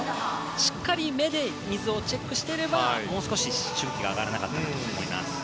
しっかり目で水をチェックしていればもう少し、しぶきが上がらなかったと思います。